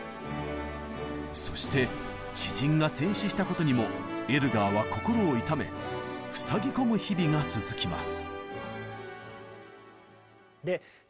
そして知人が戦死したことにもエルガーは心を痛めふさぎ込む日々が続きます。